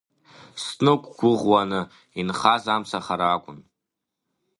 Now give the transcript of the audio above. Сзықәгәӷуаны инхаз амцахара акәын.